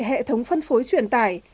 hệ thống phân phối truyền tải